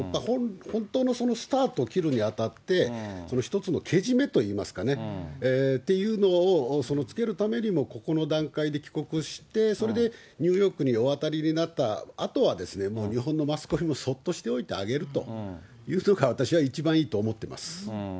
本当のスタートを切るにあたって、一つのけじめと言いますかね、っていうのをつけるためにも、ここの段階で帰国して、それでニューヨークにお渡りになったあとは、もう日本のマスコミもそっとしておいてあげるというのが、私は一番いいと思ってます。